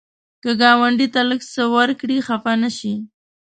که ګاونډي ته لږ څه ورکړې، خفه نشي